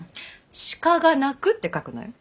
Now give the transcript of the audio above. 「鹿が鳴く」って書くのよ。